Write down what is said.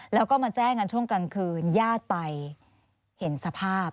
แล้วก็มาแจ้งกันช่วงกลางคืนญาติไปเห็นสภาพ